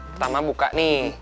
pertama buka nih